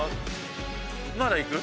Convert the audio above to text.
「まだいく？